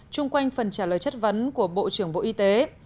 trung quanh phần trả lời chất vấn của bộ trưởng bộ y tế